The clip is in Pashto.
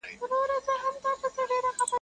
د خوار کور له دېواله معلومېږي.